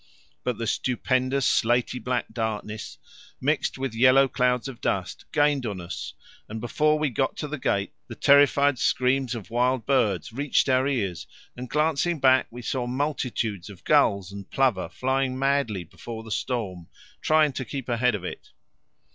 But the stupendous slaty black darkness, mixed with yellow clouds of dust, gained on us, and before we got to the gate the terrified screams of wild birds reached our ears, and glancing back we saw multitudes of gulls and plover flying madly before the storm, trying to keep ahead of it.